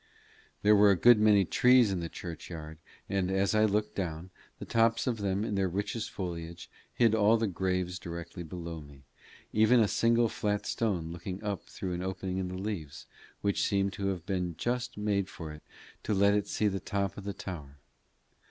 There were a good many trees in the church yard, and as I looked down, the tops of them in their richest foliage hid all the graves directly below me, except a single flat stone looking up through an opening in the leaves, which seemed to have been just made for it to let it see the top of the tower.